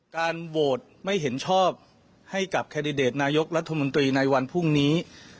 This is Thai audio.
การโหวตไม่เห็นชอบให้กับแคนดิเดตนายกรัฐมนตรีในวันพรุ่งนี้